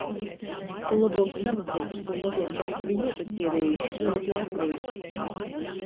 Kū lobuoks dramaturgs, tū mozuok tev sevi juopatierej, juomeklej apleik.